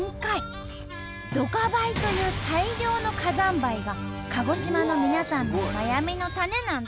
「ドカ灰」という大量の火山灰が鹿児島の皆さんの悩みの種なんと。